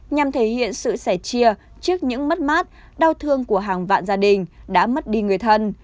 nhằm thể hiện sự sẻ chia trước những mất mát đau thương của hàng vạn gia đình đã mất đi người thân